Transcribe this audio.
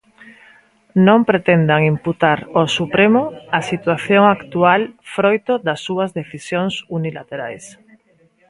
Non pretendan imputar ao Supremo a situación actual froito das súas decisións unilaterais.